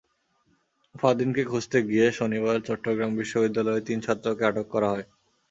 ফারদিনকে খুঁজতে গিয়ে শনিবার চট্টগ্রাম বিশ্ববিদ্যালয়ের তিন ছাত্রকে আটক করা হয়।